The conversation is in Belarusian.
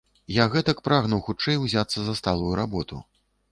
Я гэтак прагну хутчэй узяцца за сталую работу.